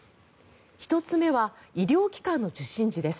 １つ目は医療機関の受診時です。